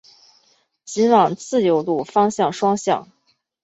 仅往自由路方向双向